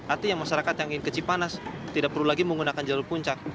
artinya masyarakat yang ingin ke cipanas tidak perlu lagi menggunakan jalur puncak